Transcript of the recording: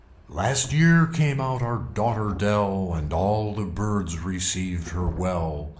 Last year came out our Daughter Dell, And all the Birds received her well.